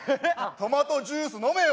トマトジュース飲めよ。